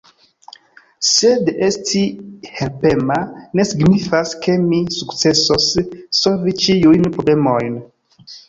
Sed esti helpema ne signifas, ke mi sukcesos solvi ĉiujn problemojn.